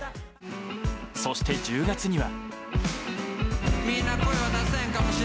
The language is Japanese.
そして、１０月には。